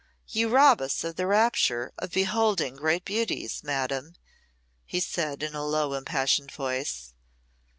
"You rob us of the rapture of beholding great beauties, Madam," he said in a low, impassioned voice.